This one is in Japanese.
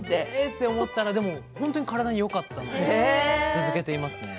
そしたら本当に体によかったので続けています。